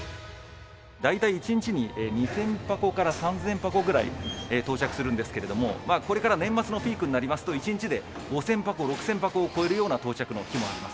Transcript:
大体１日に２０００箱から３０００箱ぐらい到着するんですけれども、これから年末のピークになりますと、１日で５０００箱、６０００箱を超えるような到着の日もあります。